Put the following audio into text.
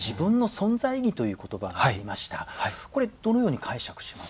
これどのように解釈します？